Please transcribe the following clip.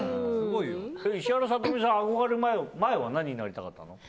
石原さとみさんに憧れる前は何になりたかったの？